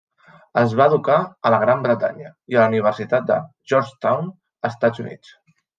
Es va educar a la Gran Bretanya i a la Universitat de Georgetown, Estats Units.